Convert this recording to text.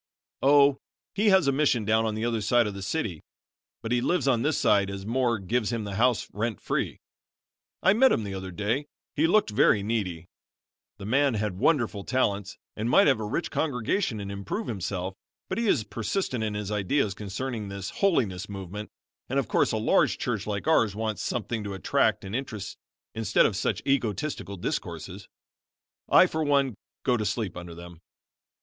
"Oh, he has a mission down on the other side of the city, but he lives on this side as Moore gives him the house rent free. I met him the other day. He looked very needy. The man had wonderful talents and might have a rich congregation and improve himself; but he is persistent in his ideas concerning this holiness movement, and of course a large church like ours wants something to attract and interest instead of such egotistical discourses. I, for one, go to sleep under them."